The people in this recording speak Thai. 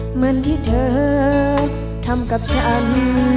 เหมือนที่เธอทำกับฉัน